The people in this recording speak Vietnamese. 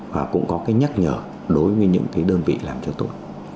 và cũng có cái nhắc nhở đối với những cái đơn vị làm chưa tốt